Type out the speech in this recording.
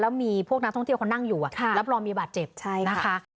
แล้วมีพวกนักท่องเที่ยวเขานั่งอยู่รับรองมีบาดเจ็บนะคะ